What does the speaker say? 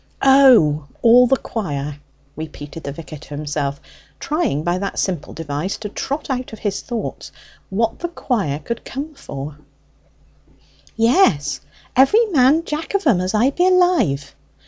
"O, all the choir," repeated the vicar to himself, trying by that simple device to trot out his thoughts on what the choir could come for. "Yes; every man jack of 'em, as I be alive!"